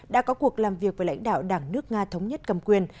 đã có cuộc làm việc với lãnh đạo đảng nước nga thống nhất cầm quyền